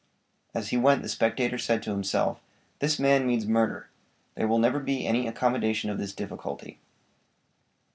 As he went the spectator said to himself, "This man means murder; there will never be any accommodation of this difficulty."